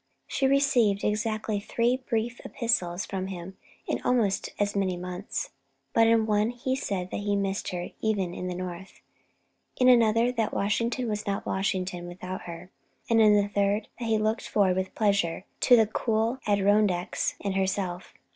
She received exactly three brief epistles from him in almost as many months, but in one he said that he missed her even in the North, in another that Washington was not Washington without her, and in the third that he looked forward with pleasure to the cool Adirondacks and herself.